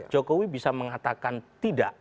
jokowi bisa mengatakan tidak